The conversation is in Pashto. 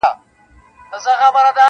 حقيقت لا هم پټ دی ډېر,